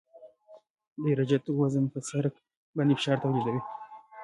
د عراده جاتو وزن په سرک باندې فشار تولیدوي